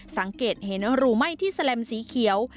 สังเกตเห็นรูไหม้ที่แลมสีเขียว